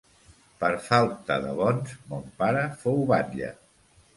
Per falta de bons, mon pare fou batlle.